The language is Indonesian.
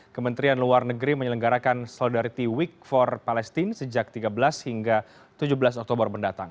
kementerian luar negeri menyelenggarakan solidarity week for palestine sejak tiga belas hingga tujuh belas oktober mendatang